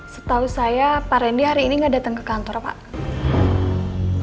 setahu saya pak randy hari ini nggak datang ke kantor pak